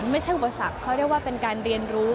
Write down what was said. อุปสรรคเขาเรียกว่าเป็นการเรียนรู้